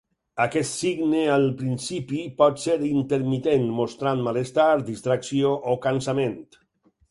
Aquest signe al principi pot ser intermitent mostrant malestar, distracció o cansament.